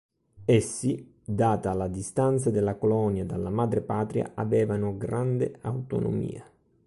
Essi, data la distanza della colonia dalla madrepatria, avevano grande autonomia.